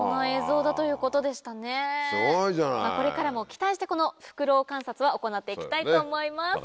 これからも期待してこのフクロウ観察は行っていきたいと思います。